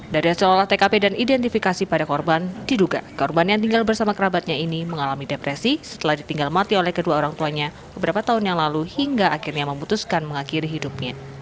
dari hasil olah tkp dan identifikasi pada korban diduga korban yang tinggal bersama kerabatnya ini mengalami depresi setelah ditinggal mati oleh kedua orang tuanya beberapa tahun yang lalu hingga akhirnya memutuskan mengakhiri hidupnya